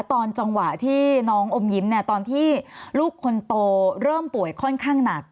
ตอนจังหวะที่น้องอมยิ้มเนี่ยตอนที่ลูกคนโตเริ่มป่วยค่อนข้างหนัก